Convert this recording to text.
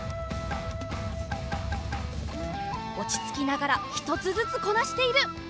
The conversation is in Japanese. おちつきながらひとつずつこなしている。